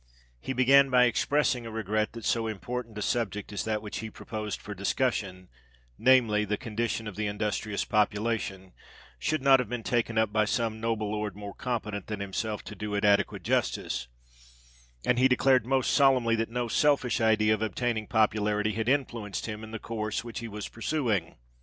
He began by expressing a regret that so important a subject as that which he proposed for discussion—namely, the condition of the industrious population—should not have been taken up by some noble lord more competent than himself to do it adequate justice; and he declared most solemnly that no selfish idea of obtaining popularity had influenced him in the course which he was pursuing.